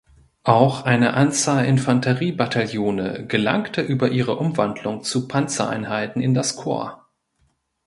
Auch eine Anzahl Infanteriebataillone gelangte über ihre Umwandlung zu Panzereinheiten in das Korps.